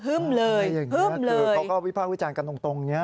ฮึ่มเลยฮึ่มเลยคือพูดจากวิพากษ์วิจารณ์กันตรงเนี่ย